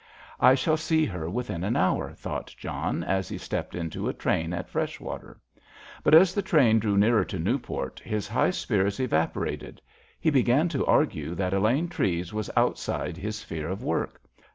"I shall see her within an hour," thought John, as he stepped into a train at Freshwater. But as the train drew nearer to Newport his high spirits evaporated; he began to argue that Elaine Treves was outside his sphere of work.